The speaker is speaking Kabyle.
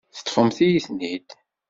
Ṭṭfemt-iyi-ten-id.